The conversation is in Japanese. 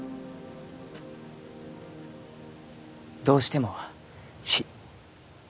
どうしてもし。